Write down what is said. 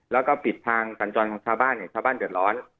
แล้วก็ปิดทางสัญจรของชาวบ้านเนี่ยชาวบ้านชาวบ้านเดือดร้อน